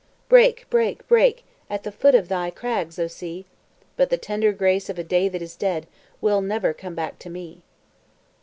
Break, break, break, At the foot of thy crags, O Sea! But the tender grace of a day that is dead Will never come back to me.